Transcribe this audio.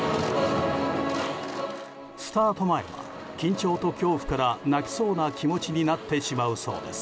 スタート前は緊張と恐怖から泣きそうな気持ちになってしまうそうです。